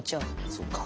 そうか。